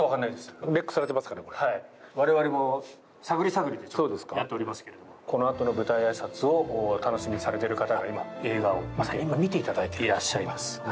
我々も探り探りでやっておりますけれどもこのあとの舞台あいさつを楽しみにされている方が今、映画を見ていらっしゃいます。